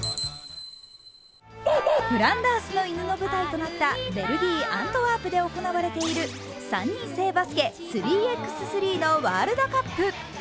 「フランダースの犬」の舞台となったベルギー・アントワープで行われている３人制バスケ、３ｘ３のワールドカップ